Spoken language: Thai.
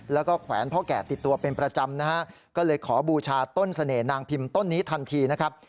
แล้วก็แขวนพ่อแก่ติดตัวเป็นประจำนะฮะก็เลยขอบูชาต้นเสน่หนางพิมพ์ต้นนี้ทันทีนะครับ